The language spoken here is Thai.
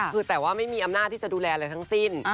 คือแต่ว่าไม่มีอำนาจที่จะดูแลอะไรทั้งสิ้น